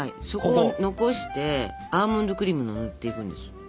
そこを残してアーモンドクリームを塗っていくんです。